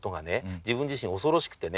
自分自身恐ろしくてね。